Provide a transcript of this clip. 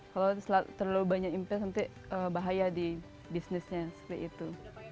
kalau terlalu banyak investasi bahaya di bisnisnya seperti itu